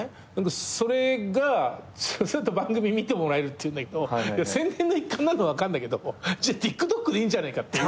それがそうすると番組見てもらえるって言うんだけど宣伝の一環なのは分かんだけどじゃあＴｉｋＴｏｋでいいんじゃねえかっていう。